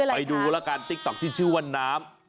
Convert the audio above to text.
ไปดูแล้วกันติ๊กต๊อกที่ชื่อว่าน้ำ